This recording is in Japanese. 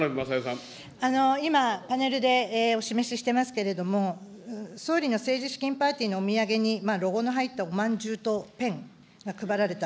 今パネルでお示ししておりますけれども、総理の政治資金パーティーのお土産に、ロゴの入ったお饅頭とペンが配られた。